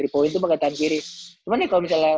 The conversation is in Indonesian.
tiga point tuh pakai tangan kiri cuman nih kalau misalnya